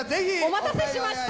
お待たせしました！